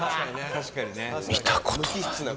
確かにね。